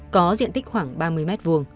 có diện tích khoảng ba mươi m hai